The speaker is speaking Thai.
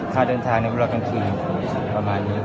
ถ้าเดินทางในวิราตการคืนประมานนี้